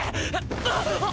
あっ。